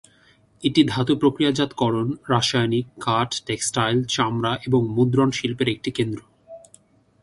এটি ধাতু-প্রক্রিয়াজাতকরণ, রাসায়নিক, কাঠ, টেক্সটাইল, চামড়া এবং মুদ্রণ শিল্পের একটি কেন্দ্র।